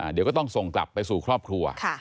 เดี๋ยวก็ต้องส่งกลับไปสู่ครอบครัว